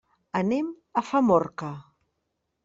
Anem a Famorca.